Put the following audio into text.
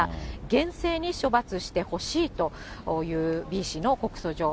厳正に処罰してほしいというＢ氏の告訴状。